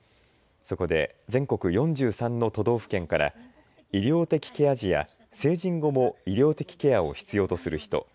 そこで全国４３の都道府県から医療的ケア児や成人後も医療的ケアを必要とする人